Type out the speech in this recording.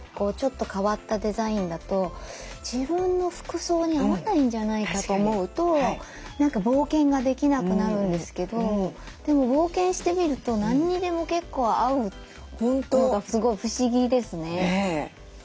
ちょっと変わったデザインだと自分の服装に合わないんじゃないかと思うと冒険ができなくなるんですけどでも冒険してみると何にでも結構合うのがすごい不思議ですね。